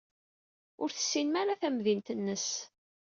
Ur tessinem ara tamdint-nnes.